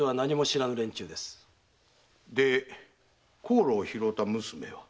で香炉を拾うた娘は？